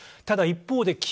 ただ一方で、